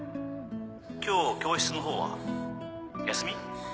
今日教室の方は？休み？